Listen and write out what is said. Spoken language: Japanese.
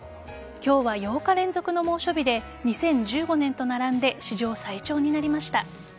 今日は８日連続の猛暑日で２０１５年と並んで史上最長になりました。